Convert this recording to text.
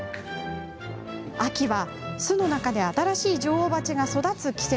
秋は、巣の中で新しい女王蜂が育つ季節。